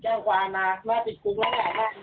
เบียงความที่สุดทำบายเบียง